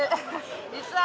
実は。